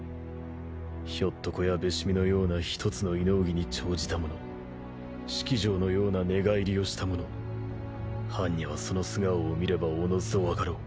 ひょっとこやべし見のような一つの異能技に長じた者式尉のような寝返りをした者般若はその素顔を見ればおのずと分かろう。